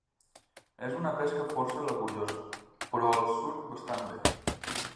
És una pesca força laboriosa, però els surt bastant bé.